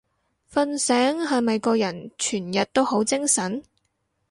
瞓醒係咪個人全日都好精神？